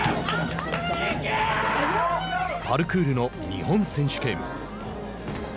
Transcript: パルクールの日本選手権。